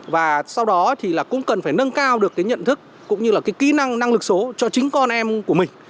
và sau đó thì là cũng cần phải nâng cao được cái nhận thức cũng như là cái kỹ năng năng lực số cho chính con em của mình